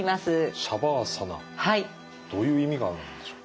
どういう意味があるんでしょう？